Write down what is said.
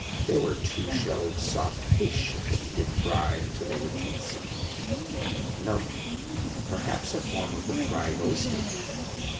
There were two shelled soft fish that he O <> did fry until they were toothsome. [NOTE : Perhaps a form of the fried oyster.